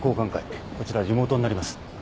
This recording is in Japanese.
こちらリモートになります。